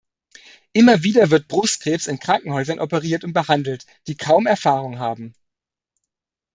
Immer wieder wird Brustkrebs in Krankenhäusern operiert und behandelt, die kaum Erfahrung haben.